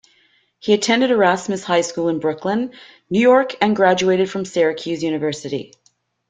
He attended Erasmus High School in Brooklyn, New York and graduated from Syracuse University.